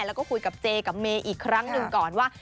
แล้วก็คุยกับเจกับเมย์อีกครั้งหนึ่งก่อนว่า